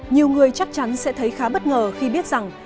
nhiều người chắc chắn sẽ thấy khá bất ngờ khi biết rằng